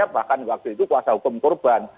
bahkan waktu itu kuasa hukum korban